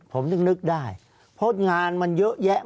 ภารกิจสรรค์ภารกิจสรรค์